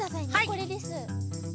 これです。